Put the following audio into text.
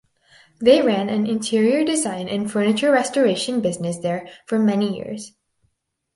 They ran an interior design and furniture restoration business there for many years.